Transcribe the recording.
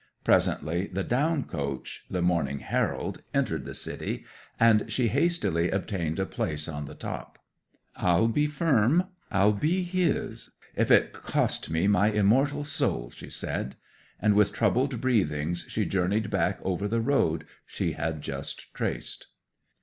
Presently the down coach, "The Morning Herald," entered the city, and she hastily obtained a place on the top. '"I'll be firm I'll be his if it cost me my immortal soul!" she said. And with troubled breathings she journeyed back over the road she had just traced.